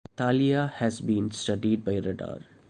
Thalia has been studied by radar.